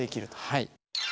はい。